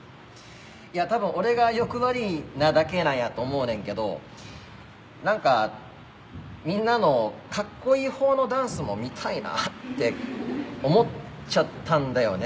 いや多分俺が欲張りなだけなんやと思うねんけど何かみんなのカッコいいほうのダンスも見たいなって思っちゃったんだよね